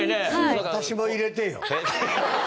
私も入れてよ。